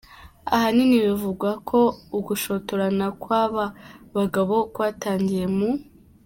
Ahanini bivugwa ko ugushotorana kwaba bagabo kwatangiye mu.